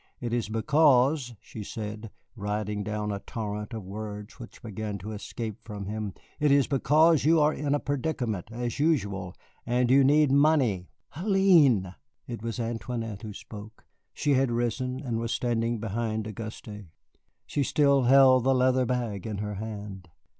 It is because," she said, riding down a torrent of words which began to escape from him, "it is because you are in a predicament, as usual, and you need money." "Hélène!" It was Antoinette who spoke. She had risen, and was standing behind Auguste. She still held the leather bag in her hand.